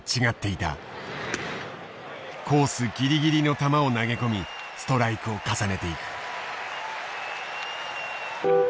コースギリギリの球を投げ込みストライクを重ねていく。